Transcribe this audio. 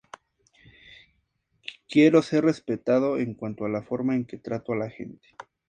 Quiero ser respetado en cuanto a la forma en que trato a la gente.